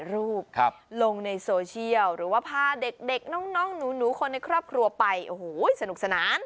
รูปลงในโซเชียลหรือว่าพาเด็กน้องหนูคนในครอบครัวไปโอ้โหสนุกสนาน